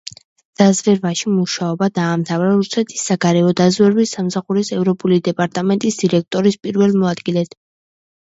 დაზვერვაში მუშაობა დაამთავრა რუსეთის საგარეო დაზვერვის სამსახურის ევროპული დეპარტამენტის დირექტორის პირველ მოადგილედ.